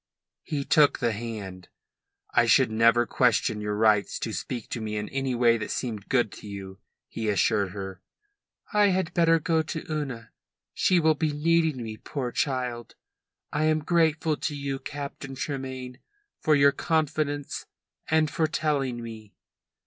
He took the hand. "I should never question your right to speak to me in any way that seemed good to you," he assured her. "I had better go to Una. She will be needing me, poor child. I am grateful to you, Captain Tremayne, for your confidence and for telling me."